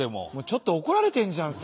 ちょっと怒られてるじゃん